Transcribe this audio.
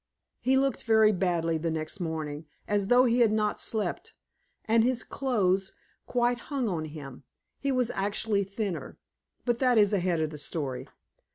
He looked very badly the next morning, as though he had not slept, and his clothes quite hung on him. He was actually thinner. But that is ahead of the story.